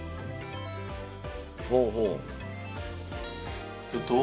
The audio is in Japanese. ほうほう。